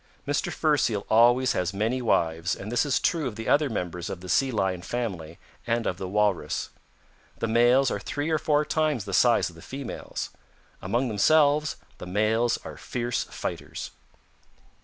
Mr. Fur Seal always has many wives and this is true of the other members of the Sea Lion family and of the Walrus. The males are three or four times the size of the females. Among themselves the males are fierce fighters.